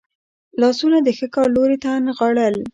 لاسونه د ښه کار لوري ته نغاړل.